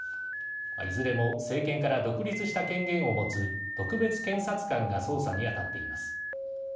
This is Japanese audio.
いずれも政権から独立した権限を持つ特別検察官が捜査に当たっています。